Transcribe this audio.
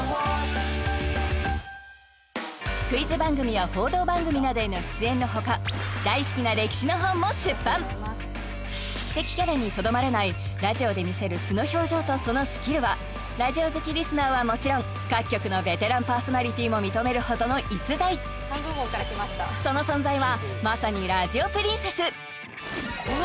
クイズ番組や報道番組などへの出演のほか知的キャラにとどまらないラジオで見せる素の表情とそのスキルはラジオ好きリスナーはもちろん各局のベテランパーソナリティーも認めるほどの逸材その存在はまさにラジオプリンセス